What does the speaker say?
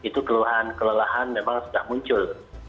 terutama kelelahan memang sudah muncul